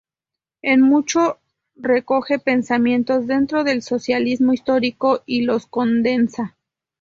En mucho recoge pensamientos dentro del socialismo histórico y los condensa.